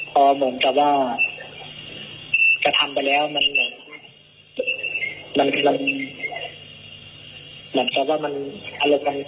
พอเหมือนกับว่ากระทำไปแล้วมันเหมือนกับว่ามันมัน